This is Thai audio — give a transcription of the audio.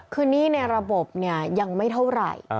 คือหนี้ในระบบเนี่ยยังไม่เท่าไหร่